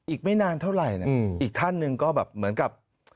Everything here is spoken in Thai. อีกไม่นานเท่าไหร่นะอีกท่านหนึ่งก็แบบเหมือนกับ